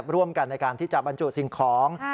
ร่วมกันในการที่จะบรรจุสิ่งของ